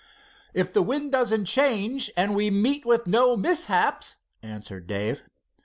"If the wind doesn't change and we meet with no mishaps," answered Dave.